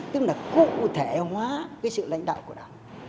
tức là cụ thể hóa cái sự lãnh đạo của đảng